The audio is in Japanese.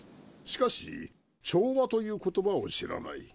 しかし「調和」という言葉を知らない。